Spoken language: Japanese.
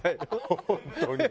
本当に。